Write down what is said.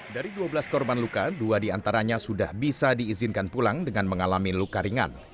dari dua belas korban luka dua diantaranya sudah bisa diizinkan pulang dengan mengalami luka ringan